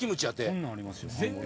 こんなんありますよ